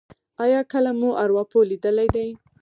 ایا کله مو ارواپوه لیدلی دی؟